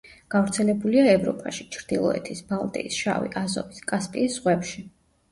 გავრცელებულია ევროპაში, ჩრდილოეთის, ბალტიის, შავი, აზოვის, კასპიის ზღვებში.